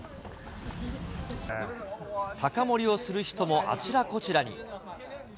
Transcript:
酒盛りをする人もあちらこちらに。